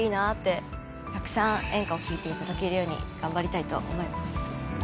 たくさん演歌を聴いていただけるように頑張りたいと思います。